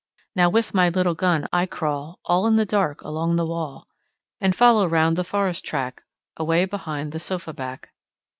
Now, with my little gun, I crawl All in the dark along the wall, And follow round the forest track Away behind the sofa back.